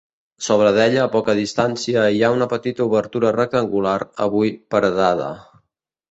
Sobre d'ella a poca distància, hi ha una petita obertura rectangular, avui paredada.